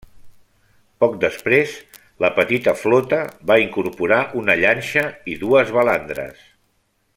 Poc després la petita flota va incorporar una llanxa i dues balandres.